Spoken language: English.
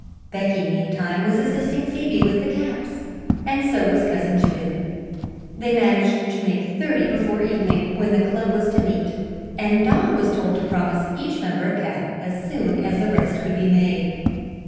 Becky, meantime, was assisting Phoebe with the caps, and so was Cousin Judith. They managed to make thirty before evening, when the club was to meet, and Don was told to promise each member a cap as soon as the rest could be made.